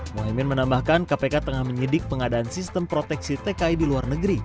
mohaimin menambahkan kpk tengah menyidik pengadaan sistem proteksi tki di luar negeri